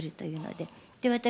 で私